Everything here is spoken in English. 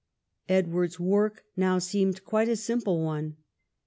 Edward's work now seemed quite a simple one.